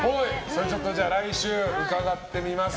来週、伺ってみます。